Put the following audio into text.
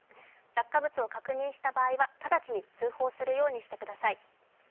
落下物を確認した場合は直ちに通報するようにしてください。